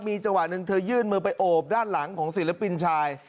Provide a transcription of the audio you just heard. มีจังหวะหนึ่งเธอยื่นมือไปโอบด้านหลังของศิลปินชาย